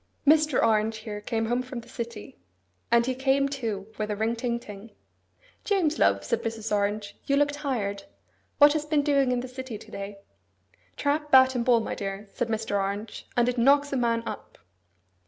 Mr. Orange here came home from the city; and he came, too, with a ring ting ting. 'James love,' said Mrs. Orange, 'you look tired. What has been doing in the city to day?' 'Trap, bat, and ball, my dear,' said Mr. Orange, 'and it knocks a man up.